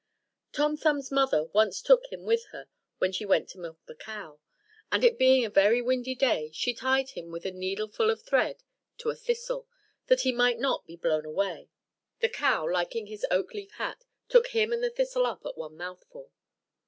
Tom Thumb's mother once took him with her when she went to milk the cow; and it being a very windy day, she tied him with a needleful of thread to a thistle, that he might not be blown away. The cow, liking his oak leaf hat, took him and the thistle up at one mouthful.